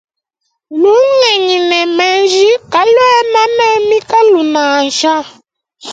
Lungenyi ne menji kaluena ne mikalu nansha.